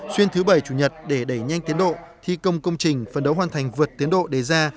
xuyên thứ bảy chủ nhật để đẩy nhanh tiến độ thi công công trình phần đấu hoàn thành vượt tiến độ đề ra